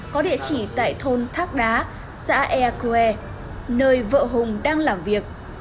có địa chỉ tại thôn thác đá xã eakue nơi vợ hùng đang làm việc